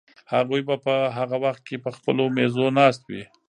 هغوی به په هغه وخت کې په خپلو مېزو ناست وي.